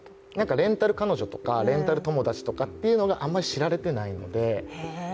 レンタル彼女とか、レンタル友達というのは、あまり知られていないので。